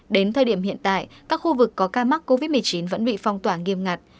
đến thời điểm hiện tại các khu vực có ca mắc covid một mươi chín vẫn bị phong tỏa nghiêm ngặt